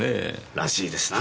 らしいですな。